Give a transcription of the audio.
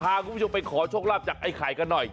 พาคุณผู้ชมไปขอโชคลาภจากไอ้ไข่กันหน่อย